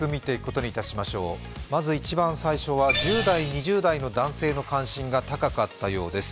まず一番最初は１０代、２０代の男性の関心が高かったようです。